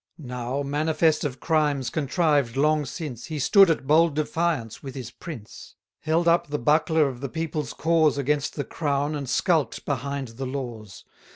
Now, manifest of crimes contrived long since, He stood at bold defiance with his prince; Held up the buckler of the people's cause Against the crown, and skulk'd behind the laws.